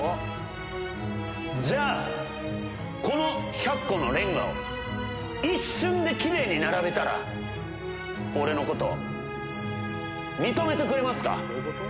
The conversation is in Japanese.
じゃあ、この１００個のレンガを一瞬できれいに並べたら、俺のこと、は？